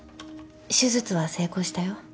手術は成功したよ。